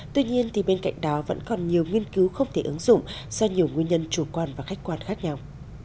tuy nhiên bên cạnh đó vẫn còn nhiều nghiên cứu không thể ứng dụng do nhiều nguyên nhân chủ quan và khách quan khác nhau